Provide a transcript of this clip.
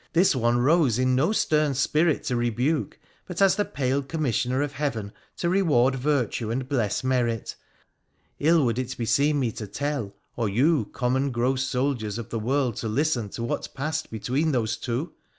This one rose in no stern spirit to rebuke, but as the pale commis sioner of Heaven to reward virtue and bless merit. Ill would it beseem me to tell, or you, common, gross soldiers of the world, to listen to what passed between those two.